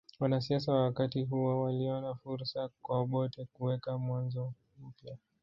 Wanasiasa wa wakati huo waliona fursa kwa Obote kuweka mwanzo mpya